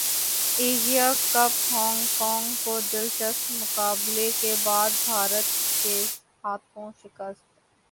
Asia cup Hong Kong کو دلچسپ مقابلے کے بعد بھارت کے ہاتھوں شکست